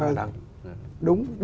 đúng dân nằm gốc